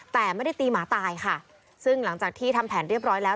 แต่ไม่ได้ตีหมาตายค่ะซึ่งหลังจากที่ทำแผนเรียบร้อยแล้ว